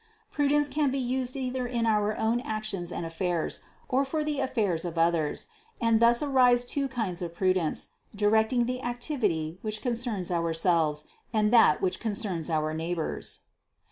Prudence can be used either in our own actions and af fairs, or for the affairs of others, and thus arise two kinds of prudence, directing the activity which concerns ourselves, and that which concerns our neighbors.